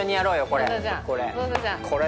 これ。